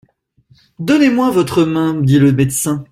Donnez-moi votre main, dit le médecin.